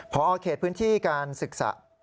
พอเขตพื้นที่การศึกษา